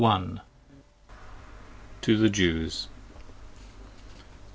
27 TO THE JEWS.